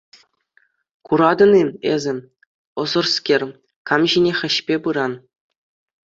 Куратӑн-и эсӗ, ӑссӑрскер, кам ҫине хӗҫпе пыран?